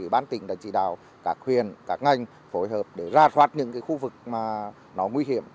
bản tỉnh đã chỉ đào các khuyền các ngành phối hợp để ra soát những khu vực nguy hiểm